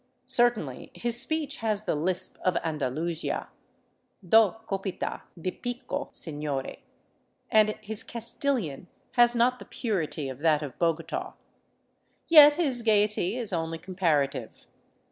Certainly his speech has the lisp of Andalusia —^' Do' copita' de pi'co, senore' "— and his Castilian has not the purity of that of Bogota. Yet his gaiety is only comparative.